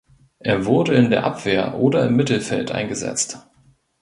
Er wurde in der Abwehr oder im Mittelfeld eingesetzt.